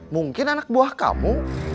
mungkin anak buah kamu